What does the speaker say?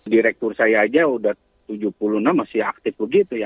direktur saya aja udah tujuh puluh enam masih aktif begitu ya